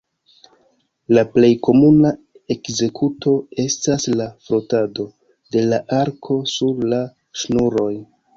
La plej komuna ekzekuto estas la frotado de la arko sur la ŝnuroj.